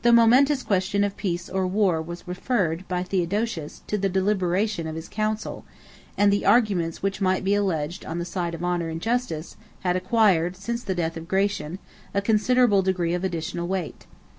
The momentous question of peace or war was referred, by Theodosius, to the deliberation of his council; and the arguments which might be alleged on the side of honor and justice, had acquired, since the death of Gratian, a considerable degree of additional weight.